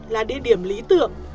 là địa điểm lý tưởng